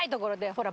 ほら。